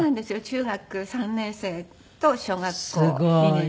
中学３年生と小学校２年生。